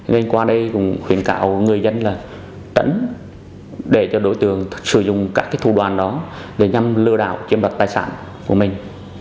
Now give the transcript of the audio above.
nên qua đây cũng khuyến cạo người dân là tránh để cho đối tượng sử dụng các thủ đoàn đó để nhằm lừa đảo chiếm đoạt tài sản của mình